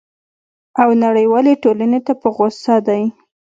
او نړیوالي ټولني ته په غوصه دی!